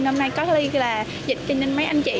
năm nay có lý là dịch cho nên mấy anh chị